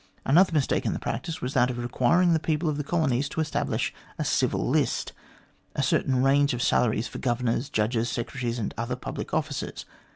Another mistake in practice was that of requiring the people of the colonies to establish a civil list, a certain range of salaries for Governors, Judges, Secretaries, and other public officers.